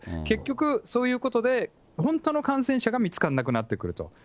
結局、そういうことで本当の感染者が見つからなくなってくると。